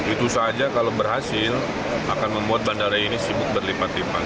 itu saja kalau berhasil akan membuat bandara ini sibuk berlipat lipat